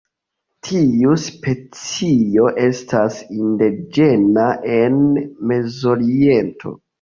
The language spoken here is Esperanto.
Tiu specio estas indiĝena en Mezoriento.